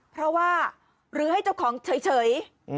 เพราะว่าหรือให้เจ้าของเฉย